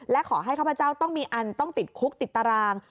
และขอให้ข้าพเจ้าต้องมีอันต้องติดคุกติดตาราง